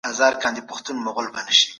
مثبت فکرونه ستاسو په چلند کي نرمي راولي.